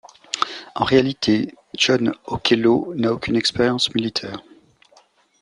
En réalité, John Okello n'a aucune expérience militaire.